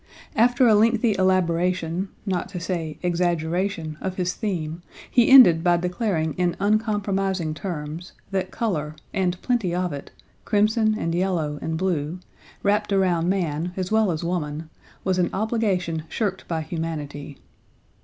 After a lengthy elaboration not to say exaggeration of his theme, he ended by declaring in uncompromising terms, that colour, and plenty of it, crimson and yellow and blue, wrapped around man, as well as woman, was an obligation shirked by humanity.